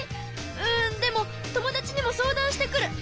うんでも友達にも相談してくる。